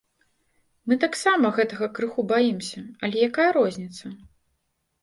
Мы таксама гэтага крыху баімся, але якая розніца?